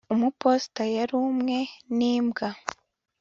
Umuposita yarumwe nimbwa